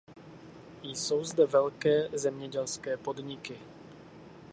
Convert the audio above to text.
Jsou zde velké zemědělské podniky.